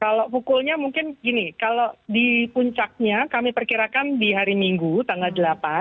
kalau pukulnya mungkin gini kalau di puncaknya kami perkirakan di hari minggu tanggal delapan